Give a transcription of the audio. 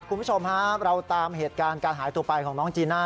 คุณผู้ชมฮะเราตามเหตุการณ์การหายตัวไปของน้องจีน่า